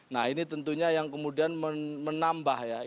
nah ini tentunya yang kemudian menambah ya